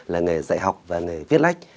là nghề dạy học và nghề viết lách